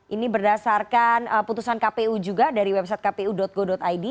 ini berdasarkan putusan kpu juga dari website kpu go id